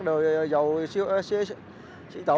rồi dầu sĩ tổ